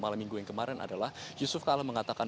malam minggu yang kemarin adalah yusuf kala mengatakan